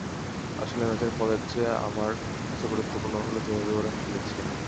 আসলে ম্যাচের ফলের চেয়ে আমার কাছে গুরুত্বপূর্ণ হলো যেভাবে ওরা খেলেছে।